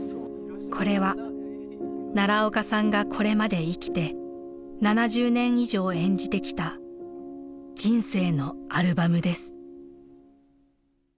これは奈良岡さんがこれまで生きて７０年以上演じてきた人生のアルバムです。